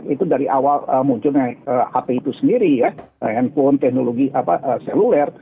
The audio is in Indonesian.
itu dari awal munculnya hp itu sendiri ya handphone teknologi seluler